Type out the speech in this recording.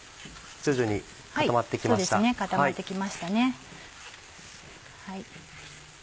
徐々に固まって来ました。